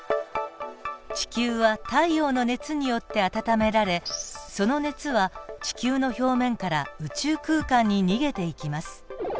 地球は太陽の熱によって温められその熱は地球の表面から宇宙空間に逃げていきます。